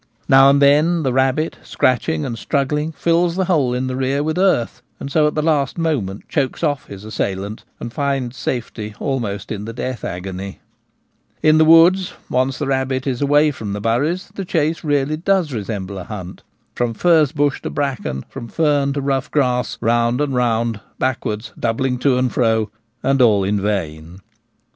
Now and then the rabbit, scratching and struggling, fills the hole in the Weasels hunting in Packs. 119 rear with earth, and so at the last moment chokes off his assailant and finds safety almost in the death agony. In the woods, once the rabbit is away from the ' buries, 1 the chase really does resemble a hunt ; from furze bush to bracken, from fern to rough grass, round and round, backwards, doubling, to and fro, and all in vain.